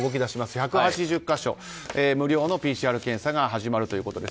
１８０か所無料のＰＣＲ検査が始まるということです。